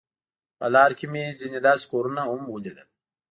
په لار کې مې ځینې داسې کورونه هم ولیدل.